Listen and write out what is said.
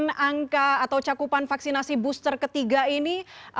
dengan angka atau cakupan vaksinasi booster ketiga ini